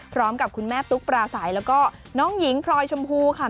พร้อมกับคุณแม่ตุ๊กปราศัยแล้วก็น้องหญิงพลอยชมพูค่ะ